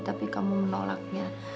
tapi kamu menolaknya